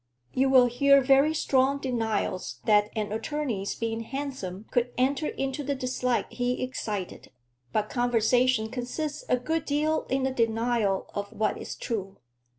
You will hear very strong denials that an attorney's being handsome could enter into the dislike he excited; but conversation consists a good deal in the denial of what is true.